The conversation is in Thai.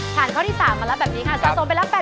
การข้อที่๓มารับแบบนี้ค่ะสะสมไปรับ๘๐๐๐บาท